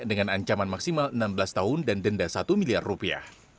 dengan ancaman maksimal enam belas tahun dan denda satu miliar rupiah